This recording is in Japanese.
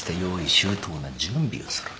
周到な準備をする。